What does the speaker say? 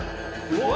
うわ！